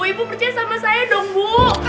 ibu percaya sama saya dong bu